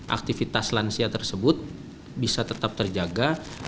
aktivitas lansia tersebut bisa tetap terjaga